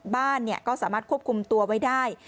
บ้านก็สามารถควบคุมตัวไว้ได้